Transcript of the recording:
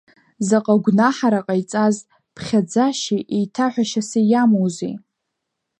Заҟа гәнаҳара ҟаиҵаз ԥхьаӡашьеи еиҭаҳәашьаси иамоузеи.